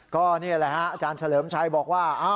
ก็นี่แหละฮะอาจารย์เฉลิมชัยบอกว่า